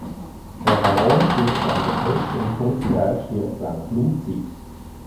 Der Baron stirbt an der Pest und kurz darauf stirbt auch Luzi.